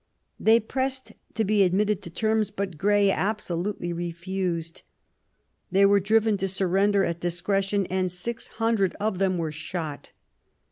They pressed to be admitted to terms, but Grey absolutely refused. They were driven to surrender at discretion, and six hundred of them were shot.